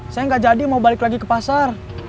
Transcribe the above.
saya nggak jadi mau balik lagi ke pasar